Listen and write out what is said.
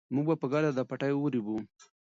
موږ به په ګډه دا پټی ورېبو.